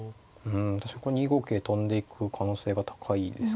これ２五桂跳んでいく可能性が高いですかね。